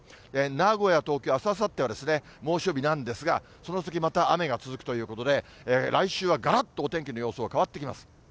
名古屋、東京、あす、あさっては猛暑日なんですが、その次、また雨が続くということで、来週はがらっとお天気の様子が変わってきます。